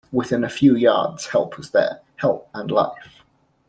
Within a few yards help was there — help and life.